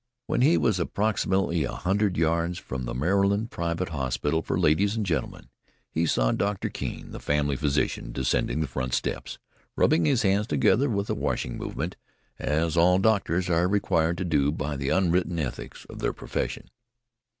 When he was approximately a hundred yards from the Maryland Private Hospital for Ladies and Gentlemen he saw Doctor Keene, the family physician, descending the front steps, rubbing his hands together with a washing movement as all doctors are required to do by the unwritten ethics of their profession.